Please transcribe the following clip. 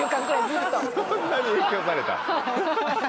そんなに影響されたん？